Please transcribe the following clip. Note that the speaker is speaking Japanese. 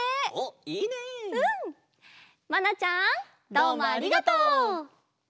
どうもありがとう！